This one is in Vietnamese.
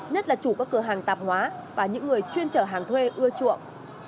nhất là chủ các cửa hàng tạp hóa và những người chuyên trở hàng thuê ưa chuộng